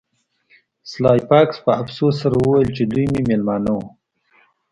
سلای فاکس په افسوس سره وویل چې دوی مې میلمانه وو